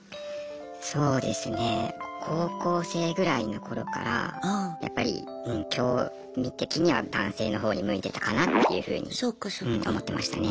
そうですね高校生ぐらいの頃からやっぱり興味的には男性の方に向いてたかなっていうふうに思ってましたね。